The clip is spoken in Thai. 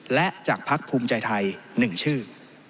และจากภักดิ์ภูมิใจไทย๑ชื่อ